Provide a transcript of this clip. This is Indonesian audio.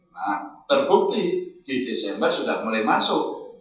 nah terbukti di desember sudah mulai masuk